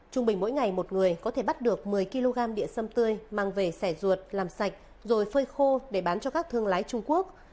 trung bình mỗi ngày một người có thể bắt được một mươi kg địa sâm tươi mang về xẻ ruột làm sạch rồi phơi khô để bán cho các thương lái trung quốc